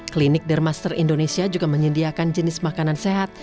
klinik dermaster indonesia juga menyediakan jenis makanan sehat